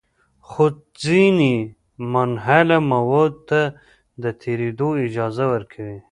خو ځینې منحله موادو ته د تېرېدو اجازه ورکوي.